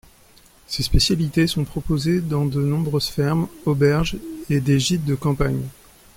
Ces spécialités sont proposées dans de nombreuses fermes auberges et des gîtes de campagne.